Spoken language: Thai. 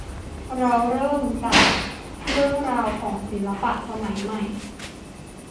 เราเริ่มกันจากเรื่องราวของศิลปะสมัยใหม่